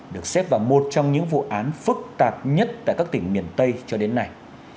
được xếp vào một trong những vụ án phức tạp nhất tại các tỉnh miền tây cho đến nay